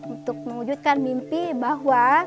untuk mewujudkan mimpi bahwa